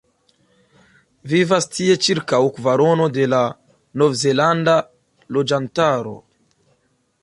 Vivas tie ĉirkaŭ kvarono de la nov-zelanda loĝantaro.